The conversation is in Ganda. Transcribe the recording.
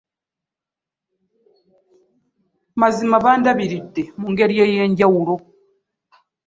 Mazima bandabiridde mu ngeri ey'enjawulo.